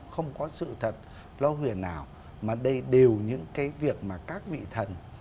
không có sự thật lo huyền nào mà đây đều những cái việc mà các vị thần